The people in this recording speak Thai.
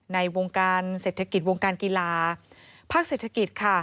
ในวงการเศรษฐกิจวงการกีฬาภาคเศรษฐกิจค่ะ